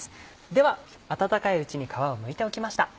では温かいうちに皮をむいておきました。